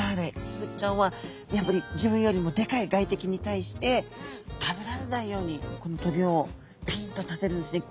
スズキちゃんはやっぱり自分よりもでかい外敵に対して食べられないようにこの棘をピンと立てるんですね。